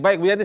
baik bu yanti